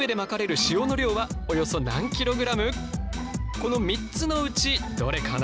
この３つのうちどれかな？